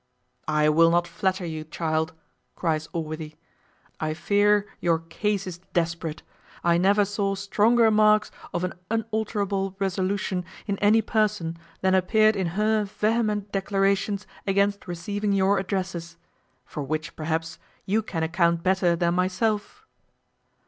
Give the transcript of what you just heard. "I will not flatter you, child," cries Allworthy; "I fear your case is desperate: I never saw stronger marks of an unalterable resolution in any person than appeared in her vehement declarations against receiving your addresses; for which, perhaps, you can account better than myself."